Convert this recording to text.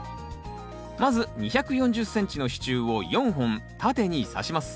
まず２４０ｃｍの支柱を４本縦にさします。